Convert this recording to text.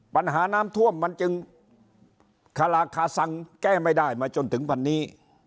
ปัญหาน้ำท่วมมันจึงคาราคาซังแก้ไม่ได้มาจนถึงวันนี้